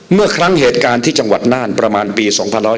เมื่อครั้งเหตุการณ์ที่จังหวัดน่านประมาณปี๒๕๕๙